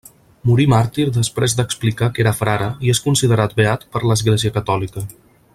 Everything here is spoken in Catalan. Morí màrtir després d'explicar que era frare i és considerat beat per l'Església catòlica.